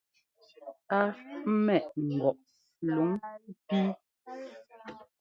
Á ḿmɛʼ ŋgɔʼ luŋ píi.